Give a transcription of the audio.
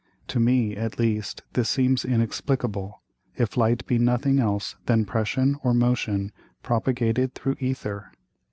To me, at least, this seems inexplicable, if Light be nothing else than Pression or Motion propagated through Æther.